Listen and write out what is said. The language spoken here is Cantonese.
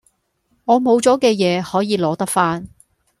我冇咗嘅嘢可以攞得返